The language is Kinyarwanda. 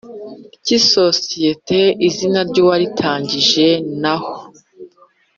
ry isosiyeti izina ry uwayitangije n aho